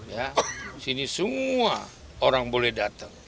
ya sini semua orang boleh datang